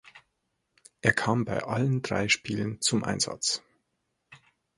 Er kam bei allen drei Spielen zum Einsatz.